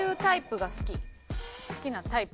好きなタイプ。